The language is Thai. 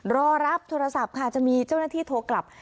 รอรับโทรศัพท์ค่ะจะมีเจ้าหน้าที่โทรกลับ